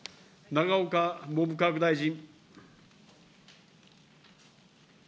永岡文部科学大臣。